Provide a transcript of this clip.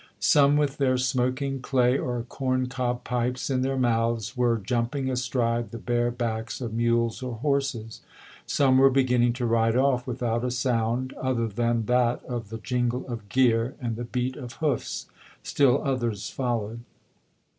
Some with their smoking clay or corn cob pipes in their mouths were jumping astride the bare backs of mules or horses. Some were beginning to ride off without a sound other than that of the jingle of gear and the beat of hoofs. Still others followed.